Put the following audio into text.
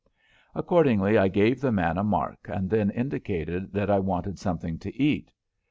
Accordingly, I gave the man a mark and then indicated that I wanted something to eat.